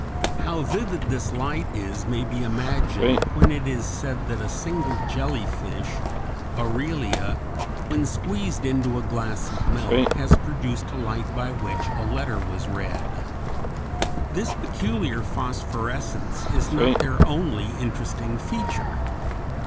How vivid this light is may be imagined when it is said that a single jellyfish, Aurelia, when squeezed into a glass of milk, has produced a light by which a letter was read. This peculiar phosphorescence is not their only interesting feature.